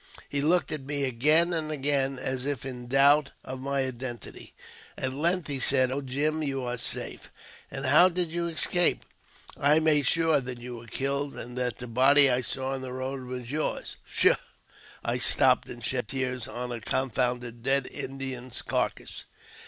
He looked at me again and again, as if in doubt of my identity. At length he said, " Oh, Jim, you are safe ! And how did you escape ? I made sure that you were killed, and that the body I saw on the road was yours. Pshaw ! I stopped and shed tears on a confounded dead Indian's carcase